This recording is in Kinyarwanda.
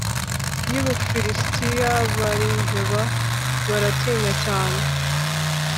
y’Umufilisitiya bariheba, baratinya cyane.